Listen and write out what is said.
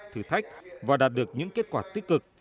thử thách và đạt được những kết quả tích cực